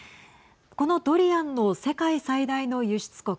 このドリアンの世界最大の輸出国